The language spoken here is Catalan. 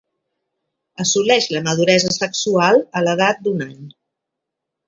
Assoleix la maduresa sexual a l'edat d'un any.